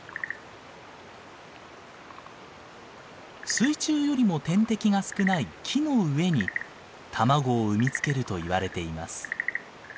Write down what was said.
水中よりも天敵が少ない木の上に卵を産み付けるといわれています。